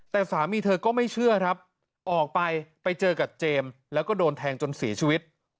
แต่สามีเธอก็ไม่เชื่อครับออกไปไปเจอกับเจมส์แล้วก็โดนแทงจนเสียชีวิต